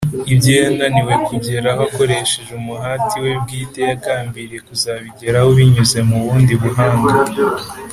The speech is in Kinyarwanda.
Ibyo yananiwe kugeraho akoresheje umuhati we bwite yagambiriye kuzabigeraho binyuze mu bundi buhanga